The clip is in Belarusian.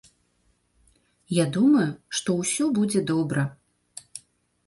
Я думаю, што ўсё будзе добра.